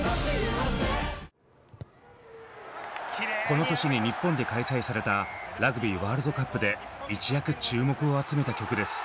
この年に日本で開催されたラグビーワールドカップで一躍注目を集めた曲です。